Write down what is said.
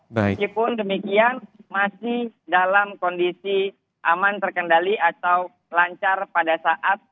meskipun demikian masih dalam kondisi aman terkendali atau lancar pada saat